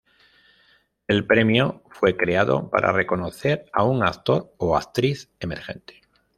El premio fue creado para reconocer a un actor o actriz emergente.